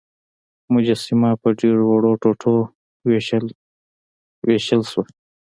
مجسمه په ډیرو وړو ټوټو ویشل شوه.